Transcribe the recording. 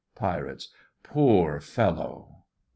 PIRATES: Poor fellow!